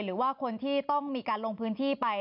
หรือว่าคนที่ต้องมีการลงพื้นที่ไป